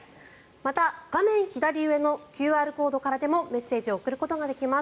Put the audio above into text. また、画面左上のＱＲコードからでもメッセージを送ることができます。